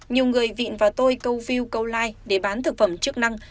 nhiều người vịn vào tôi câu view câu like để bán thực phẩm chức năng